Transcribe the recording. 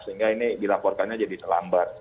sehingga ini dilaporkannya jadi selambat